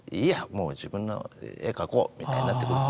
もう自分の絵描こう」みたいになってくる。